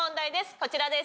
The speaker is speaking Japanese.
こちらです。